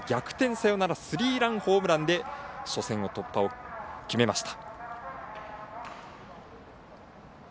サヨナラスリーランホームランで初戦突破を決めました。